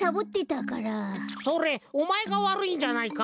それおまえがわるいんじゃないか？